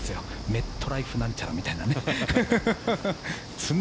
メットライフ何ちゃらみたいなね。